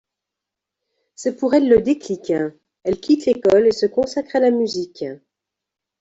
C'est pour elle le déclic, elle quitte l'école et se consacre à la musique.